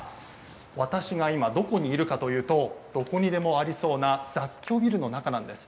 私が今どこにいるかというと、どこにでもありそうな雑居ビルの中なんです。